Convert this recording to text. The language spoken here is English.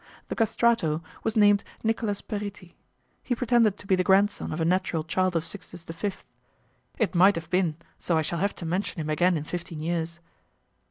The castrato was named Nicolas Peritti; he pretended to be the grandson of a natural child of Sixtus V.; it might have been so I shall have to mention him again in fifteen years.